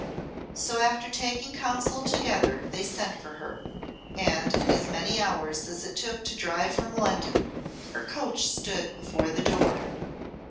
So after taking counsel together they sent for her, and in as many hours as it took to drive from London, her coach stood before the door.